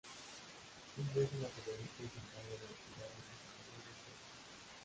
Cindy es una periodista y se encarga del cuidado de su sobrino Cody.